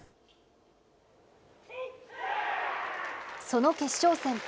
その決勝戦。